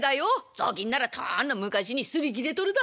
雑巾ならとうの昔に擦り切れとるだ」。